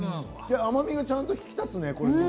甘みがちゃんと引き立つね。